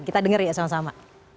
kita dengar ya sama sama